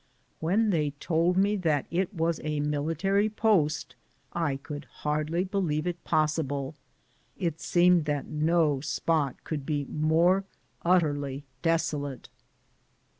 When they told me that it was a military post, I could hardly believe it possible ; it seemed that no spot could be more utterly desolate.